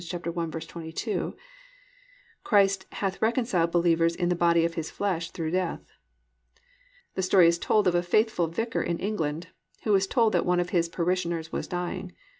1:22, Christ "hath reconciled" believers "in the body of His flesh through death." The story is told of a faithful vicar in England who was told that one of his parishioners was dying.